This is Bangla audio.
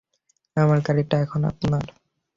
আমার গাড়িটা এখন আপনার।